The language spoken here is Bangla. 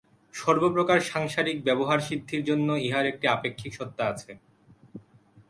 সর্বপ্রকার সাংসারিক ব্যবহারসিদ্ধির জন্য ইহার একটি আপেক্ষিক সত্তা আছে।